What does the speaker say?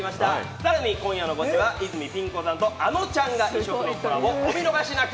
さらに今夜のゴチは泉ピン子さんと、あのちゃんが異色のコラボ、お見逃しなく。